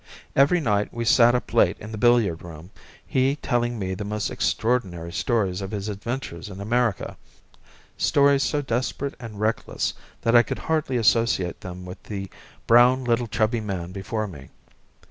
Every night we had sat up late in the billiard room, he telling me the most extraordinary stories of his adventures in America stories so desperate and reckless, that I could hardly associate them with the brown little, chubby man before me.